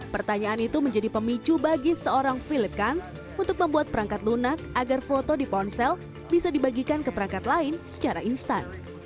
pertanyaan itu menjadi pemicu bagi seorang philip kan untuk membuat perangkat lunak agar foto di ponsel bisa dibagikan ke perangkat lain secara instan